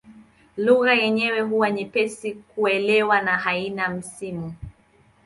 Lugha yenyewe huwa nyepesi kuelewa na haina misimu.